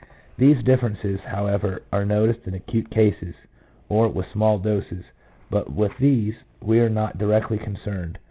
These differences, however, are noticed in acute cases, or with small doses; but with these we are not directly concerned.